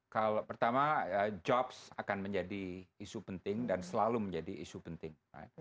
kalau pertama jobs akan menjadi isu penting dan selalu menjadi isu penting